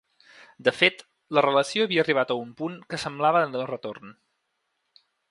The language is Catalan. De fet, la relació havia arribat a un punt que semblava de no-retorn.